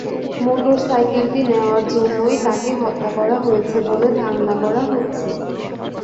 মোটরসাইকেলটি নেওয়ার জন্যই তাঁকে হত্যা করা হয়েছে বলে ধারণা করা হচ্ছে।